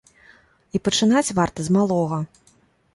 І пачынаць варта з малога.